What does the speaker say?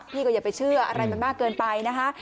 พี่ก็อย่าไปเชื่ออะไรมันมากเกินไปนะคะ